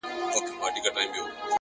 د حقیقت ملګرتیا سکون راولي,